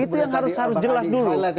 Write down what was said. itu yang harus jelas dulu